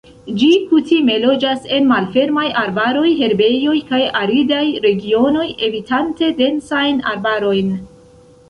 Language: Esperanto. Ĝi kutime loĝas en malfermaj arbaroj, herbejoj kaj aridaj regionoj, evitante densajn arbarojn.